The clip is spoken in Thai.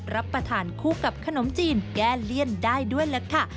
รับประทานคู่กับขนมจีนแก้เลี่ยนได้ด้วยล่ะค่ะ